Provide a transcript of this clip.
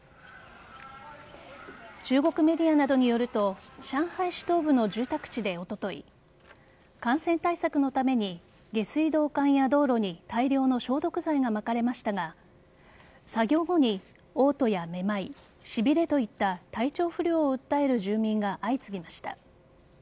中国メディアなどによると上海市東部の住宅地でおととい感染対策のために下水道管や道路に大量の消毒剤がまかれましたが作業後に嘔吐や目まいしびれといった体調不良を訴える住民が相次ぎました。